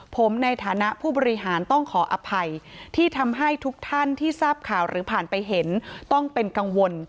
ผมในฐานะผู้บริหารต้องขออภัยที่ทำให้ทุกท่านที่ทราบข่าวหรือผ่านไปเห็นต้องเป็นกังวล